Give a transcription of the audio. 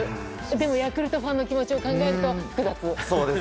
でも、ヤクルトファンの気持ちを考えると複雑！